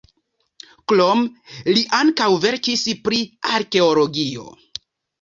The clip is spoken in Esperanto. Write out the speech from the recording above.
Krome li ankaŭ verkis pri arkeologio.